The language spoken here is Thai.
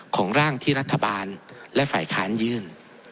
ของร่างที่รัฐบาลและฝ่ายค้านยื่น